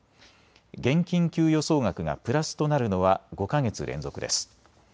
現金給与総額がプラスとなるのは５か月連続です。